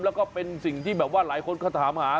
แล้วก็เป็นสิ่งที่แบบว่าหลายคนเขาถามหา